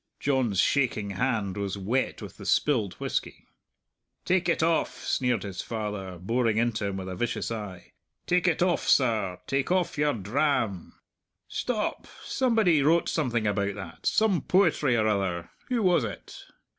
John's shaking hand was wet with the spilled whisky. "Take it off," sneered his father, boring into him with a vicious eye; "take it off, serr; take off your dram! Stop! Somebody wrote something about that some poetry or other. Who was it?"